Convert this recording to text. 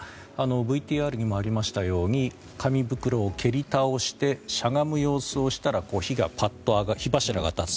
ＶＴＲにもありましたように紙袋を蹴り倒してしゃがむ様子をしたら火柱が立つ。